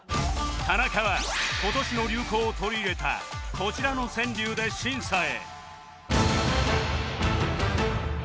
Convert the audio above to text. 田中は今年の流行を取り入れたこちらの川柳で審査へ